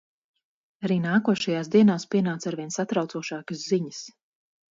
Arī nākošajās dienās pienāca arvien satraucošākas ziņas.